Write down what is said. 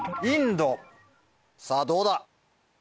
さぁどうだ。